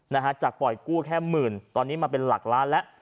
นะฮะจากปล่อยกู้แค่หมื่นตอนนี้มาเป็นหลักล้านแล้ว